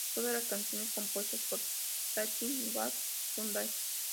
Todas las canciones compuestas por Taking Back Sunday.